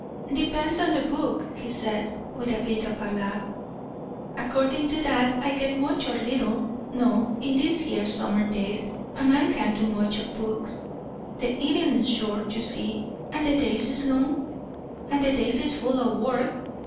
"Depends on the book," he said, with a bit of a laugh. "Accordin' to that, I get much or little. No; in these here summer days a man can't do much at books; the evenin's short, you see, and the days is long; and the days is full o' work.